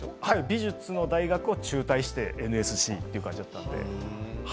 美術の大学を中退してＮＳＣだったので。